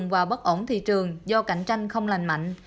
cơ quan chức năng đã giảm nguồn thị trường do cạnh tranh không lành mạnh